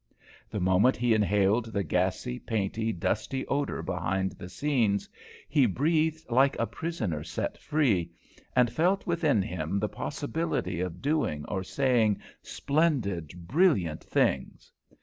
The moment he inhaled the gassy, painty, dusty odour behind the scenes, he breathed like a prisoner set free, and felt within him the possibility of doing or saying splendid, brilliant things.